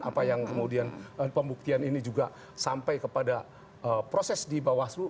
apa yang kemudian pembuktian ini juga sampai kepada proses di bawaslu